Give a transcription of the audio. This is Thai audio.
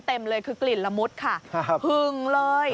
เต็มเลยคือกลิ่นละมุดค่ะหึงเลย